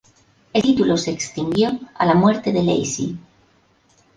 El título se extinguió a la muerte de de Lacy.